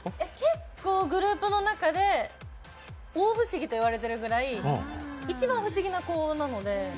結構グループの中で大不思議といわれているぐらい一番不思議な子なので。